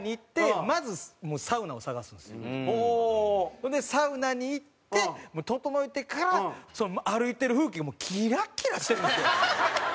ほんでサウナに行ってもうととのえてから歩いてる風景がもうキラキラしてるんですよ。